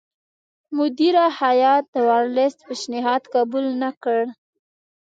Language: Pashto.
مدیره هیات د ورلسټ پېشنهاد قبول نه کړ.